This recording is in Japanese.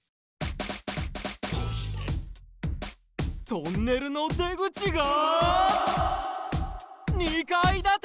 トンネルの出口が２かいだて！？